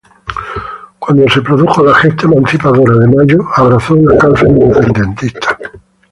Cuando se produjo la gesta emancipadora de Mayo, abrazó la causa independentista.